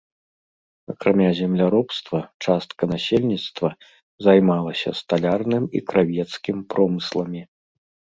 Акрамя земляробства, частка насельніцтва займалася сталярным і кравецкім промысламі.